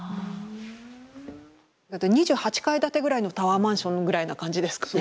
２８階建てぐらいのタワーマンションぐらいな感じですかね